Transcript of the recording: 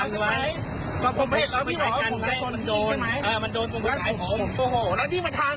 ก็พูดว่าเดินที่เหมือนกัน